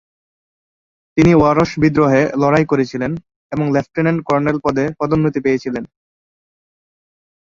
তিনি ওয়ারশ বিদ্রোহে লড়াই করেছিলেন এবং লেফটেন্যান্ট কর্নেল পদে পদোন্নতি পেয়েছিলেন।